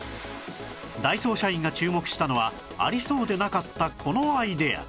ダイソー社員が注目したのはありそうでなかったこのアイデア